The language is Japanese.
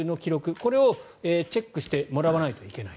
これをチェックしてもらわないといけない。